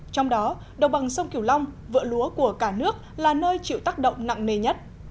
trong đó đồng bằng sông kiểu long vựa lúa của cả nước là nơi chịu tác động nặng nề nhất